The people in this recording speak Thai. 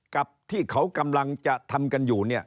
กับที่เหล่ากำลังจะทำกันอยู่